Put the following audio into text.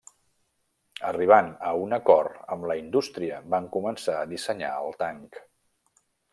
Arribant a un acord amb la indústria van començar a dissenyar el tanc.